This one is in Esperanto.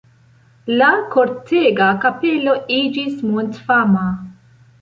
La Kortega kapelo iĝis mondfama.